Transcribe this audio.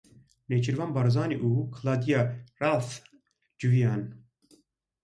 Nêçîrvan Barzanî û Claudia Roth civiyan.